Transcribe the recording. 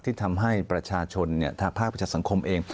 ที่ทำให้ประชาชนทางภาคประชาสังคมเอง